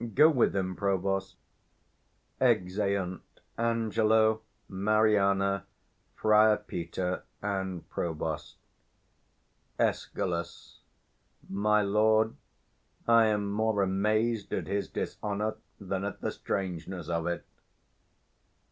Go with him, provost. [Exeunt Angelo, Mariana, Friar Peter and Provost. Escal. My lord, I am more amazed at his dishonour Than at the strangeness of it.